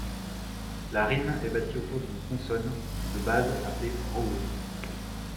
La rime est bâtie autour d'une consonne de base appelée rawy.